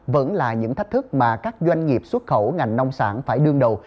vẫn là những thách thức mà các doanh nghiệp xuất khẩu ngành nông sản phải đương đầu